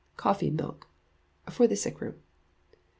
Coffee Milk. (FOR THE SICK ROOM.)